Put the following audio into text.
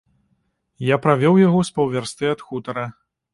Я правёў яго з паўвярсты ад хутара.